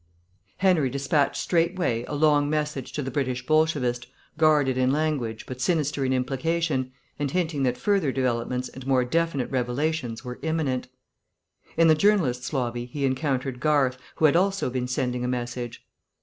40 Henry despatched straightway a long message to the British Bolshevist, guarded in language but sinister in implication, and hinting that further developments and more definite revelations were imminent. In the journalists' lobby he encountered Garth, who had also been sending a message.